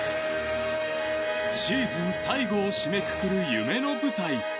シーズン最後を締めくくる夢の舞台